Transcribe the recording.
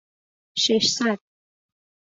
ششصد